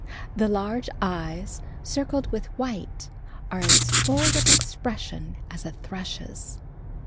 The large eyes, circled with white, are as full of expression as a thrush's.